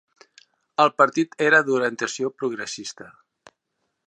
El partit era d'orientació progressista.